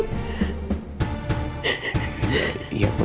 jadi bukan apa apa